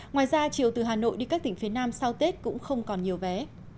ngoài ra chiều từ hà nội đi các tỉnh phía nam sau tết cũng không còn nhiều vé